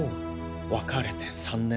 別れて３年。